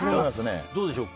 どうでしょう？